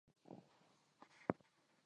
د غنمو بانکونه جوړیدل پکار دي.